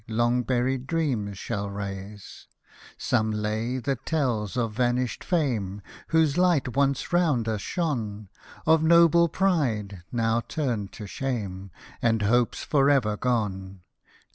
Long buried dreams shall raise ; Some lay that tells of vanished fame, Whose light once round us shone ; Of noble pride, now turned to shame. And hopes for ever gone.